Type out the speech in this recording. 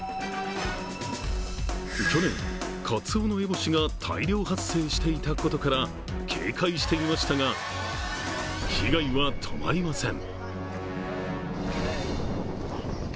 去年、カツオノエボシが大量発生していたことから警戒していましたが、被害は止まりません。